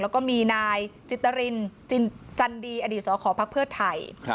แล้วก็มีนายจิตรินจันดีอดีตสอขอพักเพื่อไทย